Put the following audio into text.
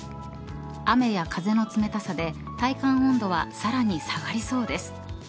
雨や、風の冷たさで体感温度はさらに下がりそうです。